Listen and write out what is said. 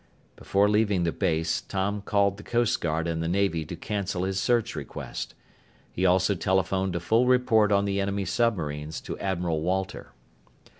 Before leaving the base, Tom called the Coast Guard and the Navy to cancel his search request. He also telephoned a full report on the enemy submarines to Admiral Walter.